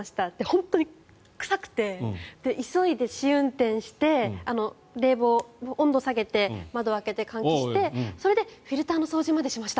本当に臭くて急いで試運転して冷房、温度下げて窓を開けて換気してフィルターの掃除までしました。